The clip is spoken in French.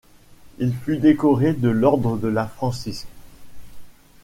Il fut décoré de l'ordre de la Francisque.